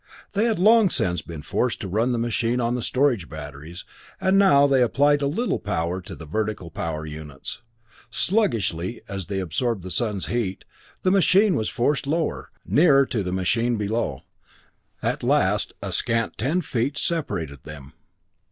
They had long since been forced to run the machine on the storage batteries, and now they applied a little power to the vertical power units. Sluggishly, as they absorbed the sun's heat, the machine was forced lower, nearer to the machine below. At last a scant ten feet separated them.